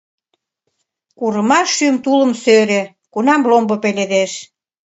Курымаш шӱм тулым сӧрӧ, Кунам ломбо пеледеш.